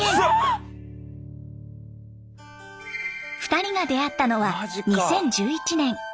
２人が出会ったのは２０１１年。